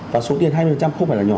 và số tiền hai mươi không phải là nhỏ